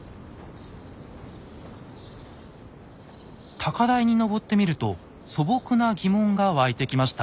高台に登ってみると素朴な疑問が湧いてきました。